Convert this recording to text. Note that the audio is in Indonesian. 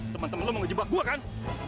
teman teman lo mau ngejebak gue kan